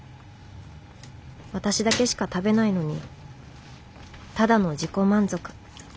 私だけしか食べないのにただの自己満足。